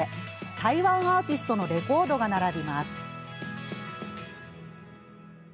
台湾アーティストのレコードが並びます。